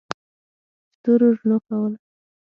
ستورو رڼا کوله.